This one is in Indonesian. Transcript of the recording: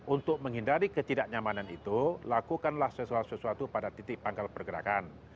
untuk menghindari ketidaknyamanan itu lakukanlah sesuatu sesuatu pada titik pangkal pergerakan